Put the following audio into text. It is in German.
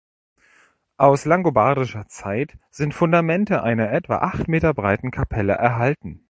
Aus langobardischer Zeit sind Fundamente einer etwa acht Meter breiten Kapelle erhalten.